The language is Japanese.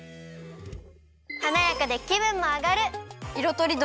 はなやかできぶんもあがる！